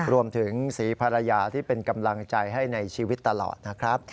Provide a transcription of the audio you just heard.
รวมถึงศรีภรรยาที่เป็นกำลังใจให้ในชีวิตตลอดนะครับ